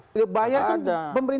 ada yang bayar